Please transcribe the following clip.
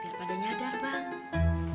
biar pada nyadar bang